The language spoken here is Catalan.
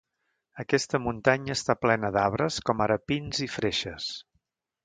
Aquesta muntanya està plena d'arbres, com ara pins i freixes.